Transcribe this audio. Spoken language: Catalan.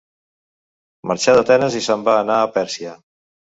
Marxà d'Atenes i se'n va anar a Pèrsia.